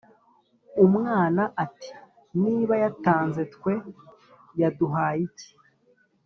Umwana ati:”niba yatanze twe yaduhaye iki?